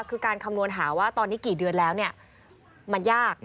คือการคำนวณหาว่าตอนนี้กี่เดือนแล้วเนี่ยมันยาก